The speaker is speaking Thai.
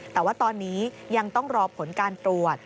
แต่ว่าตอนนี้ยังต้องรอผลการตรวจ